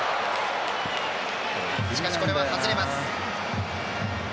しかし、これは外れます。